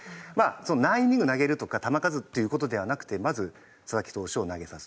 何イニング投げるとか球数っていう事ではなくてまず佐々木投手を投げさす。